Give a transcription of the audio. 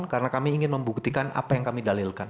karena kami ingin membuktikan apa yang kami dalilkan